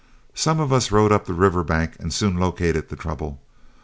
Some of us rode up the river bank and soon located the trouble.